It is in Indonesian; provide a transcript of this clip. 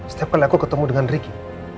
setiap kali aku ketemu dengan ricky